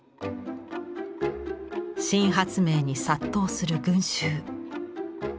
新発明に殺到する群衆。